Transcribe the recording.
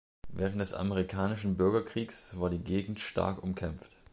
Während des Amerikanischen Bürgerkriegs war die Gegend stark umkämpft.